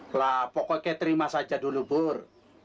hai lapok oke terima saja dulu bur